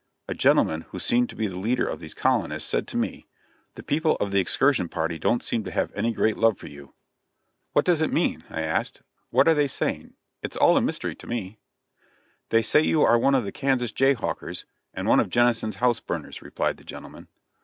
A gentleman, who seemed to be the leader of these colonists, said to me, "The people of this excursion party don't seem to have any great love for you." "What does it mean?" I asked; "What are they saying? It's all a mystery to me." "They say that you are one of the Kansas jay hawkers, and one of Jennison's house burners," replied the gentleman.